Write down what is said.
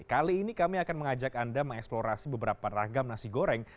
kali ini kami akan mengajak anda mengeksplorasi beberapa ragam nasi goreng